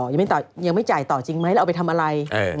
ยังไม่จ่ายต่อจริงไหมแล้วเอาไปทำอะไร